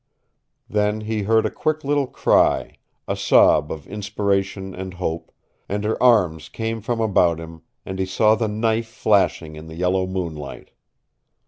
Then he heard a quick little cry, a sob of inspiration and hope, and her arms came from about him, and he saw the knife flashing in the yellow moonlight.